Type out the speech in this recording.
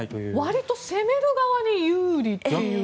わりと攻める側に有利というか。